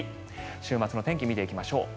週末の天気見ていきましょう。